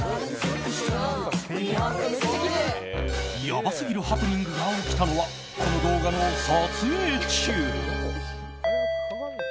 やばすぎるハプニングが起きたのは、この動画の撮影中。